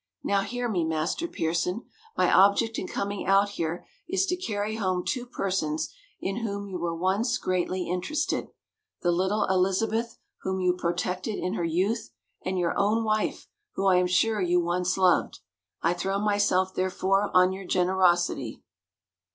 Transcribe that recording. Now hear me, Master Pearson. My object in coming out here is to carry home two persons in whom you were once greatly interested: the little Elizabeth whom you protected in her youth, and your own wife, whom I am sure you once loved. I throw myself, therefore, on your generosity."